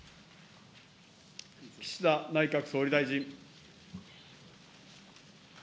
岸田内閣総理大臣。